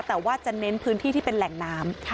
แต่ว่าจะเน้นพื้นที่ที่เป็นแหล่งน้ำ